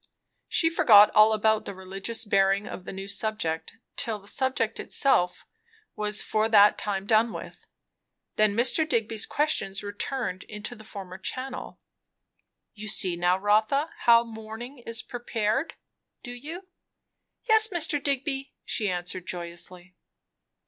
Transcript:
She forgot all about the religious bearing of the new subject till the subject itself was for that time done with. Then Mr. Digby's questions returned into the former channel. "You see now, Rotha, how the morning is 'prepared,' do you?" "Yes, Mr. Digby," she answered joyously.